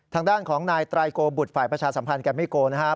ทางด้านของนายไตรโกบุตรฝ่ายประชาสัมพันธ์แกมมี่โกนะครับ